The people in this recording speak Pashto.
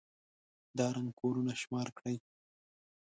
دا ړنـګ كورونه شمار كړئ.